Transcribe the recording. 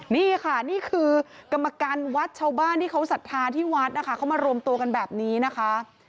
นี่ค่ะนี่คือกรรมการวัดชาวบ้านที่เขาศรัทธาที่วัดนะคะเขามารวมตัวกันแบบนี้นะคะ